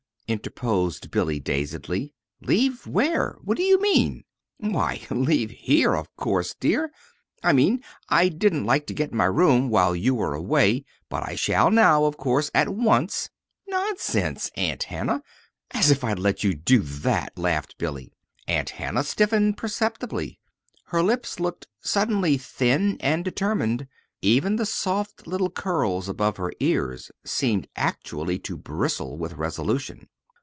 interposed Billy, dazedly. "Leave where? What do you mean?" "Why, leave here, of course, dear. I mean. I didn't like to get my room while you were away; but I shall now, of course, at once." "Nonsense, Aunt Hannah! As if I'd let you do that," laughed Billy. Aunt Hannah stiffened perceptibly. Her lips looked suddenly thin and determined. Even the soft little curls above her ears seemed actually to bristle with resolution.